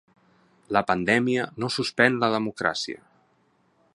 "La pandèmia no suspèn la democràcia"